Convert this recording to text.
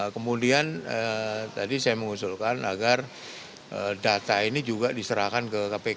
kemudian tadi saya mengusulkan agar data ini juga diserahkan ke kpk